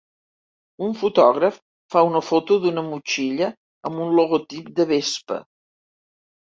Un fotògraf fa una foto d'una motxilla amb un logotip de Vespa.